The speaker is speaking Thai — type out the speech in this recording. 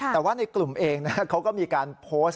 แต่ว่าในกลุ่มเองเขาก็มีการโพสต์